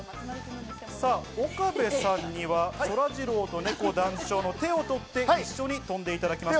岡部さんには、そらジローとねこ団長の手を取って一緒に跳んでいただきます。